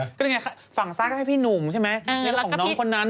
ก็ยังไงฝั่งซ้ายก็ให้พี่หนุ่มใช่ไหมนี่ก็ของน้องคนนั้น